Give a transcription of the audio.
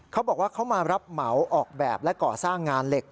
เขาบอกว่าเขามารับเหมาออกแบบและก่อสร้างงานเหล็ก